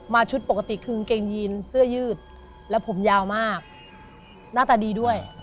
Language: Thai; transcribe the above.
ชุดปกติคือกางเกงยีนเสื้อยืดและผมยาวมากหน้าตาดีด้วย